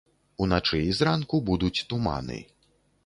Уначы і зранку будуць туманы.